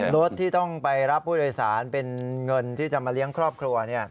รถที่ต้องไปรับผู้โดยสารเป็นเงินที่จะมาเลี้ยงครอบครัว